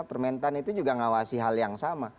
permentan itu juga mengawasi hal yang sama